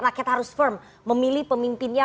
rakyat harus firm memilih pemimpinnya